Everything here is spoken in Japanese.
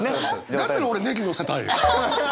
だったら俺ネギのせたい。